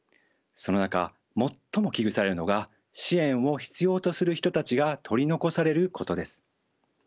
その中最も危惧されるのが支援を必要とする人たちが取り残されることです。